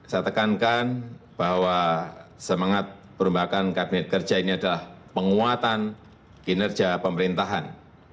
saya tekankan bahwa semangat perubahan kabinet kerja ini adalah penguatan kinerja pemerintahan